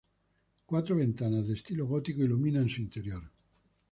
Cuatro ventanas de estilo gótico iluminan su interior.